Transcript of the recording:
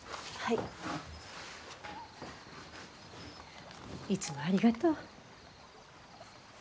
いつもありがとう。